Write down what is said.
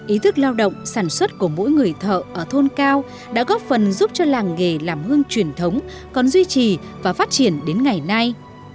ý thức lao động sản xuất của mỗi người thợ ở thôn cao đã góp phần giúp cho làng nghề làm hương truyền thống còn duy trì và phát triển đến ngày nay